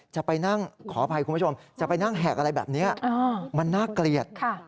จะไปนั่งขออภัยคุณผู้ชมจะไปนั่งแหกอะไรแบบนี้มันน่าเกลียด